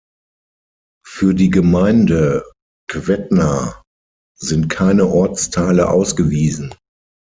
Für die Gemeinde Květná sind keine Ortsteile ausgewiesen.